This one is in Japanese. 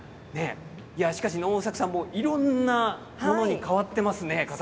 しかし能作さんいろいろなものに変わっていますね。